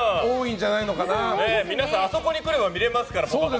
皆さん、あそこに来れば見れますから。